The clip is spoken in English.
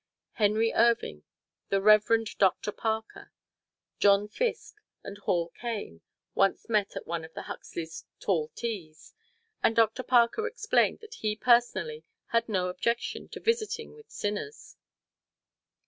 Henry Irving, the Reverend Doctor Parker, John Fiske and Hall Caine once met at one of Huxley's "Tall Teas," and Doctor Parker explained that he personally had no objection to visiting with sinners.